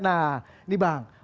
nah ini bang